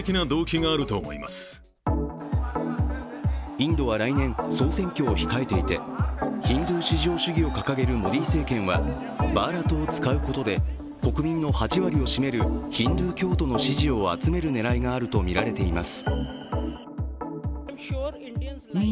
インドは来年、総選挙を控えていてヒンドゥー至上主義を掲げるモディ政権はバーラトを使うことで国民の８割を占めるヒンドゥー教徒の支持を集める狙いがあるとみられています。